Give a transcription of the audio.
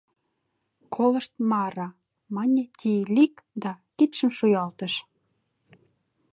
— Колышт, Мара, — мане Тиилик да кидшым шуялтыш.